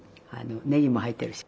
ねぎも入ってるし。